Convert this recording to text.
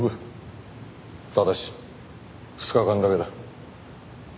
ただし２日間だけだ。